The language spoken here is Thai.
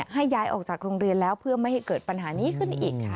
ให้ย้ายออกจากโรงเรียนแล้วเพื่อไม่ให้เกิดปัญหานี้ขึ้นอีกค่ะ